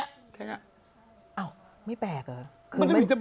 อ้าวไม่แปลก